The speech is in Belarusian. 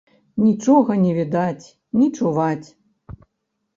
Нічога не відаць, не чуваць.